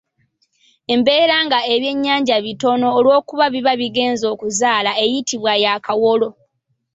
Embeera nga ebyennyanja bitono olwokuba biba bigenze okuzaala eyitibwa ya Kawolo.